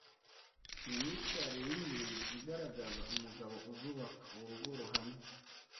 Imyitwarire y’ingenzi igaragaza umugabo uzubaka urugo ruhamye